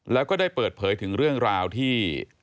แล้วก็ได้เปิดเผยถึงเรื่องราวที่